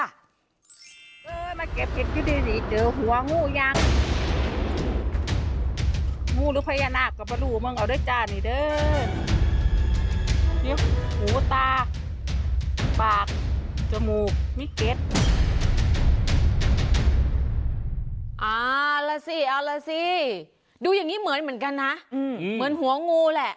เอาล่ะสิเอาล่ะสิดูอย่างนี้เหมือนกันนะเหมือนหัวงูแหละ